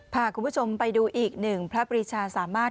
พาคุณผู้ชมไปดูอีกหนึ่งพระปริชาสามารถ